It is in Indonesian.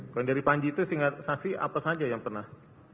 kalau dari panji itu singkat saksi apa saja yang pernah